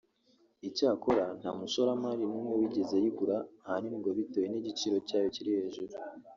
Icyakora nta mushoramari n’umwe wigeze ayigura ahanini ngo bitewe n’igiciro cyayo kiri hejuru